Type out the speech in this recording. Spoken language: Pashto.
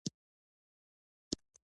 د پوهنتون محصلین په کمپاین کې برخه اخلي؟